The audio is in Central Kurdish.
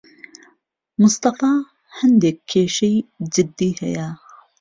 مستەفا هەندێک کێشەی جددی هەیە.